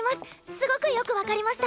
すごくよく分かりました。